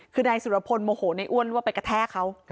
คือนายสุรพลโมโหในอ้วนว่าไปกระแทกเขา